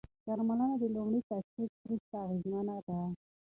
درملنه د لومړي تشخیص وروسته اغېزمنه ده.